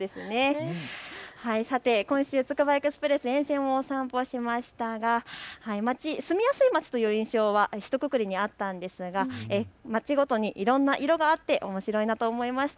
今週つくばエクスプレス沿線をお散歩しましたが、住みやすい街という印象はひとくくりにあったんですが街ごとにいろんな色があっておもしろいなと思いました。